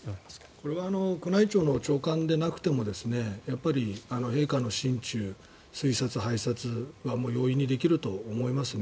これは宮内庁の長官じゃなくても陛下の心中、推察、拝察は容易にできると思いますね。